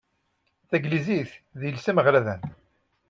Tanglizit d iles ameɣradan.